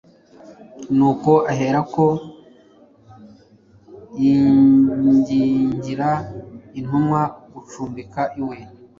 nuko aherako yingingira intumwa gucumbika iwe.